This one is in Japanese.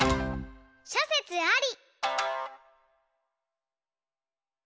しょせつあり！